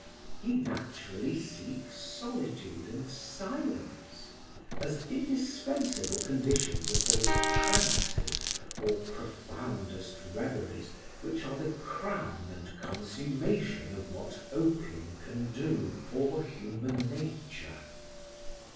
He naturally seeks solitude and silence, as indispensable conditions of those trances, or profoundest reveries, which are the crown and consummation of what opium can do for human nature.